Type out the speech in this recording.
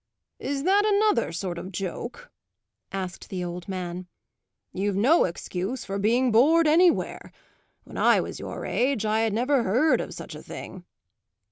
"Is that another sort of joke?" asked the old man. "You've no excuse for being bored anywhere. When I was your age I had never heard of such a thing."